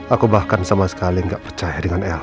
aku bahkan sama sekali nggak percaya dengan el